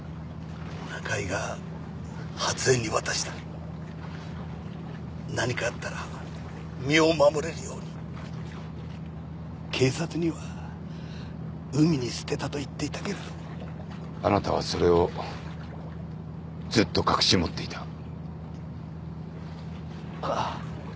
中井が初枝に渡した何かあったら身を守れるように警察には「海に捨てた」と言っていたけれどあなたはそれをずっと隠し持っていたあぁ